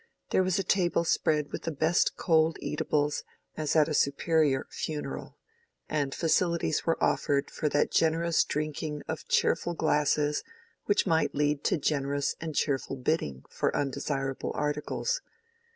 There was a table spread with the best cold eatables, as at a superior funeral; and facilities were offered for that generous drinking of cheerful glasses which might lead to generous and cheerful bidding for undesirable articles.